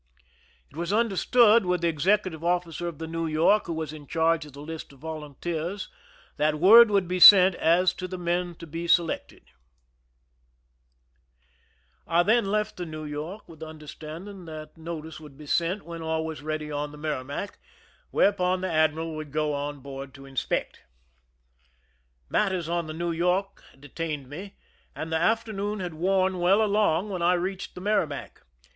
It was understood with the executive officer of the New York, who was in charge of the list of vol unteers, that word would be sent as to the men to be selected. 44 THE SCHEME AND THE PEEPARATIONS I then left tbe New York, with the understanding that notice would be sent when all was ready on the Merrimac, whereupon the admiral would go on board to inspect. Matters on the New York detained me, and the afternoon had worn well along when I reached the Merrimac.